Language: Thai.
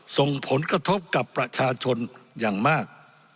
ส่งผลกระทบกับประชาชนอย่างมาก